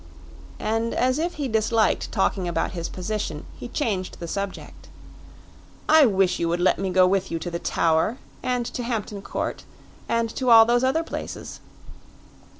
And as if he disliked talking about his position, he changed the subject. "I wish you would let me go with you to the Tower, and to Hampton Court, and to all those other places."